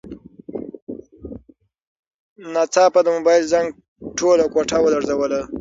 ناڅاپه د موبایل زنګ ټوله کوټه ولړزوله.